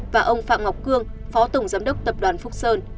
và ông phạm ngọc cương phó tổng giám đốc tập đoàn phúc sơn